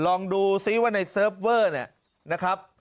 ลองดูซิว่าในเซิฟเวอร์นะครับ